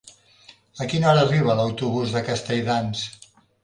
A quina hora arriba l'autobús de Castelldans?